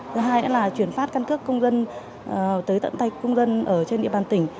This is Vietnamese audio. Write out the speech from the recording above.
thứ hai là chuyển phát căn cước công dân tới tận tay công dân ở trên địa bàn tỉnh